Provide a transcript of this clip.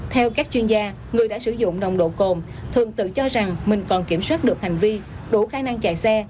theo các chuyên gia người đã sử dụng nồng độ cồn thường tự cho rằng mình còn kiểm soát được hành vi đủ khả năng chạy xe